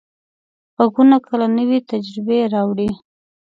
غږونه کله نوې تجربې راوړي.